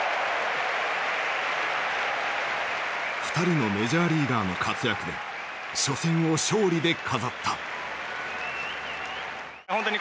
２人のメジャーリーガーの活躍で初戦を勝利で飾った。